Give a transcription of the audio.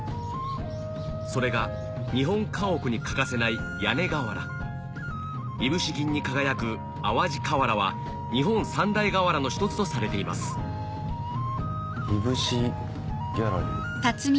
それが日本家屋に欠かせない屋根瓦いぶし銀に輝く淡路瓦は日本三大瓦の一つとされています「ＩｂｕｓｈｉＧａｌｌｅｒｙ」。